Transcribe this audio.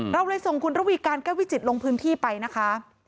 เราเลยส่งคุณระวีการแก้ววิจิตรลงพื้นที่ไปนะคะ